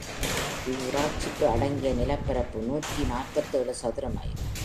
இவ்வூராட்சிக்கு அடங்கிய நிலப்பரப்பு, நூற்றி நாற்பத்தேழு சதுர மைல்.